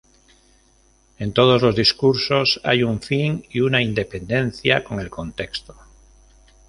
En todos los discursos hay un fin y una independencia con el contexto.